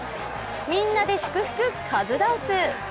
みんなで祝福、カズダンス。